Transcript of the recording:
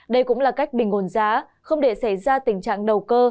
đây cũng là cách bình ổn giá không để xảy ra tình trạng đầu cơ